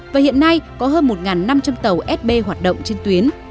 và hiện nay có hơn một năm trăm linh tàu sb hoạt động trên tuyến